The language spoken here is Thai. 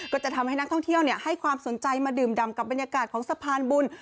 ก็จะทำให้นักท่องเที่ยวให้ความสนใจมาดื่มดำกับบรรยากาศของสะพานบุญ